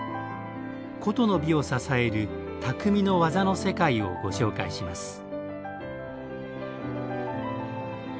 古都の美を支える「匠の技の世界」をご紹介します。